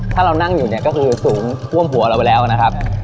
ถ้าเรานั่งอยู่เนี่ยก็คือสูงท่วมหัวเราไปแล้วนะครับ